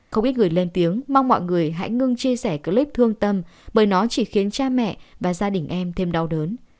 không ít người lên tiếng mong mọi người hãy ngưng chia sẻ clip thương tâm bởi nó chỉ khiến cha mẹ và gia đình em thêm đau đớn